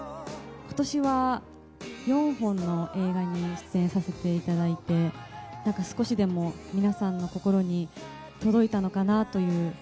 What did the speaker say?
ことしは４本の映画に出演させていただいて、なんか少しでも皆さんの心に届いたのかなという。